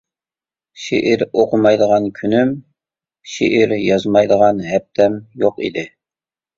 شېئىر ئوقۇمايدىغان كۈنۈم، شېئىر يازمايدىغان ھەپتەم يوق ئىدى.